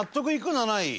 ７位。